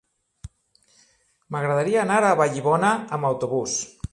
M'agradaria anar a Vallibona amb autobús.